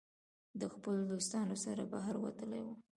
د خپلو دوستانو سره بهر وتلی وو